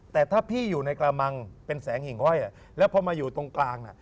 แต่ถ้าพี่อยู่ในกระมังเป็นแสงหิ่งห้อยแล้วพอมาอยู่ตรงกลางน่ะ